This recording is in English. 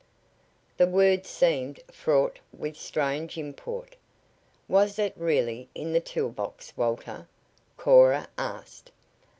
The words seemed fraught with strange import. "Was it really in the tool box, Walter?" Cora asked.